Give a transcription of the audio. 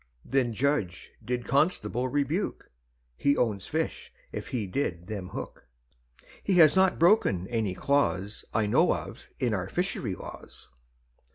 Then judge did constable rebuke, He owns fish if he did them hook, He has not broken any clause I know of in our fishery laws.